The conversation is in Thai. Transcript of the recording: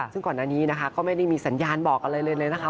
ซึ่งก่อนอันนี้นะคะก็ไม่ได้มีสัญญาณบอกอะไรเลยเลยนะคะ